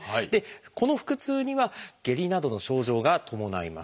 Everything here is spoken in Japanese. この腹痛には下痢などの症状が伴います。